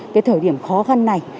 cái thời điểm khó khăn này